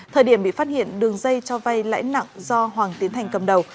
thời điểm bị phát hiện đường dây cho vay lãi nặng do hoàng tiến thành cầm đầu